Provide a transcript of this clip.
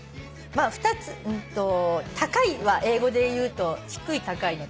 ２つ高いは英語で言うと低い高いの。